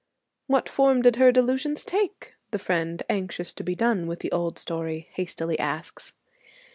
'What form did her delusions take?' the friend, anxious to be done with the old story, hastily asks.